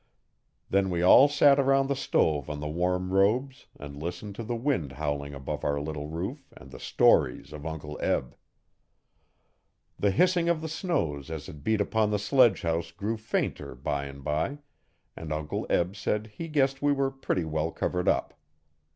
Then we all sat around the stove on the warm robes and listened to the wind howling above our little roof and the stories of Uncle Eb. The hissing of the snow as it beat upon the sledgehouse grew fainter by and by, and Uncle Eb said he guessed we were pretty well covered up.